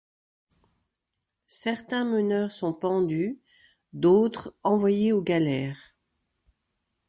Certains meneurs sont pendus, d'autres envoyés aux galères.